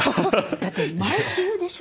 だって毎週でしょ？